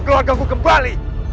keluarga ku kembali